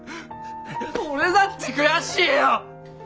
俺だって悔しいよ！